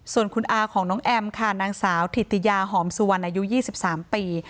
ส่วนคุณอาของน้องแอมค่ะนางสาวถิติยาหอมสุวรรณอายุ๒๓ปี